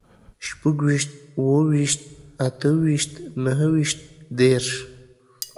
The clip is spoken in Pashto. شپږويشت، اووه ويشت، اته ويشت، نهه ويشت، دېرش